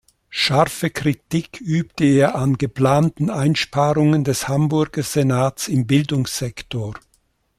Scharfe Kritik übte er an geplanten Einsparungen des Hamburger Senats im Bildungssektor.